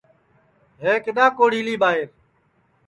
ہے کِدؔا کوڑھیلی ٻائیر